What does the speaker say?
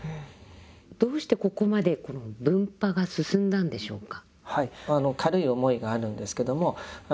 どうしてここまで分派が進んだんでしょうか？